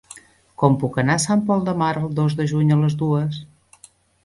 Com puc anar a Sant Pol de Mar el dos de juny a les dues?